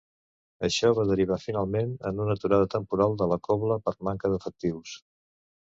Això va derivar finalment en una aturada temporal de la cobla per manca d'efectius.